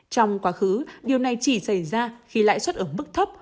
trong quá khứ điều này chỉ xảy ra khi lãi suất ở mức thấp